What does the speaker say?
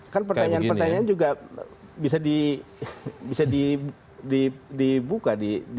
kan pertanyaan pertanyaan juga bisa dibuka